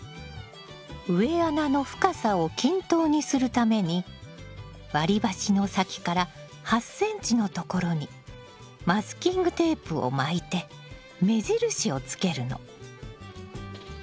植え穴の深さを均等にするために割り箸の先から８ｃｍのところにマスキングテープを巻いて目印をつけるの。